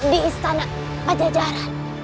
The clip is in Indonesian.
di istana pajajaran